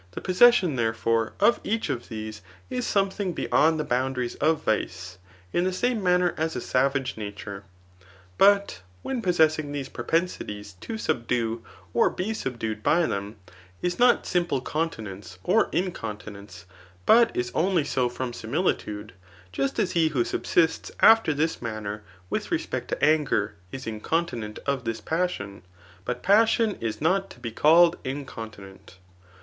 The possession, therefore, of each of these, is something beyond the boundaries of vice, in the same manner as a savage nature. But when possessing these propensities, to subdue^ or be subdued by them, is not simple continence or incontinence, but is only so from similitude, just as he who subsists after this man ner with respect to anger is incontinent pf this passion, but passion is not be called incontinent.